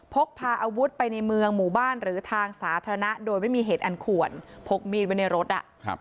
พกพาอาวุธไปในเมืองหมู่บ้านหรือทางสาธารณะโดยไม่มีเหตุอันควรพกมีดไว้ในรถ